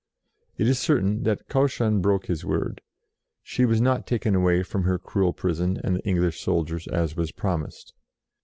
It is certain that Cauchon broke his word. She was not taken away from her cruel prison and the English soldiers, as was promised.